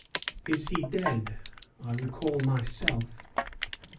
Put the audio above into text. Is he dead? I recall myself.